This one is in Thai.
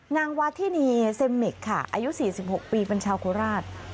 นางวาธินีเซ็นหมิกอายุสี่สี่หกปีเบือนชาวโคราช